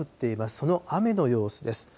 その雨の様子です。